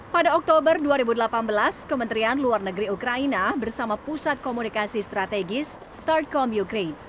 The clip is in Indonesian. pada oktober dua ribu delapan belas kementerian luar negeri ukraina bersama pusat komunikasi strategis start com ukraine